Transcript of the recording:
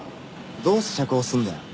どうして釈放すんだよ？